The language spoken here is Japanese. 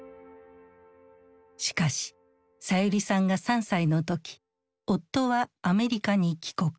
しかしさゆりさんが３歳の時夫はアメリカに帰国。